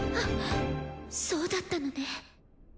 そうだったのね